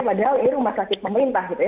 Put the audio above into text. padahal ini rumah sakit pemerintah gitu ya